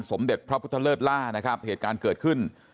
สมเด็จพระพุทธเลิศล่านะครับเหตุการณ์เกิดขึ้น